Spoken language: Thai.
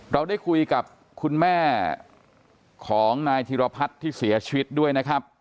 เราได้คุยกับคุณแม่ของนายธิรพัฒน์ที่เสียชีวิตด้วยนะครับ